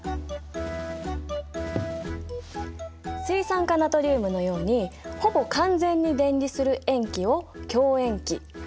水酸化ナトリウムのようにほぼ完全に電離する塩基を強塩基。